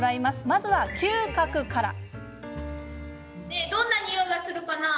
まずは、嗅覚から。